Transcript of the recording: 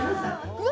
うわ！